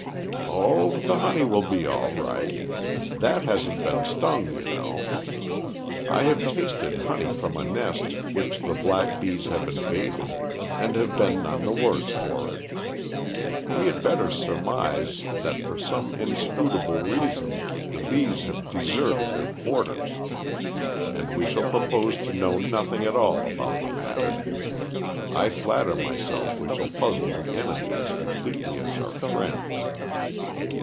"Oh, the honey will be all right. That hasn't been stung, you know. I have tasted honey from a nest which the black bees have invaded, and have been none the worse for it. We had better surmise that for some inscrutable reason the bees have deserted their quarters. And we shall propose to know nothing at all about the matter. I flatter myself we shall puzzle the enemy as completely as our friends."